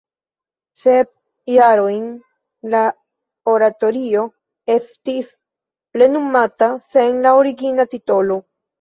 Sep jarojn la oratorio estis plenumata sen la origina titolo.